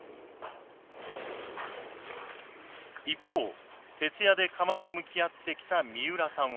一方徹夜で釜と向き合ってきた三浦さんは。